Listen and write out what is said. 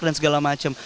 dan segala macem